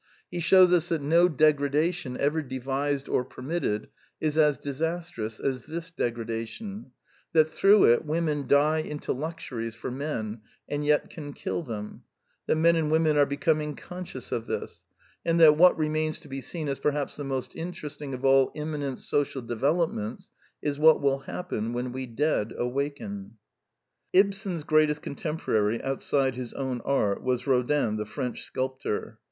He shews us that no degradation ever devised or permitted is as disastrous as this degradation ; that through it women die into luxuries for men, and yet can kill them; that men and women are becoming conscious of this; and that what remains to be seen as perhaps the most interesting of all immi nent social developments is what will happen " when we dead awaken." Ibsen's greatest contemporary outside his own art was Rodin the French sculptor.